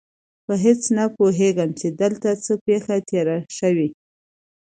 په هېڅ نه پوهېږم چې دلته څه پېښه تېره شوې.